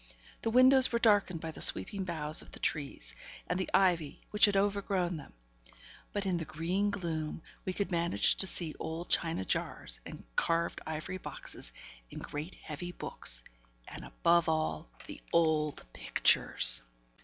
The windows were darkened by the sweeping boughs of the trees, and the ivy which had overgrown them; but, in the green gloom, we could manage to see old china jars and carved ivory boxes, and great heavy books, and, above all, the old pictures!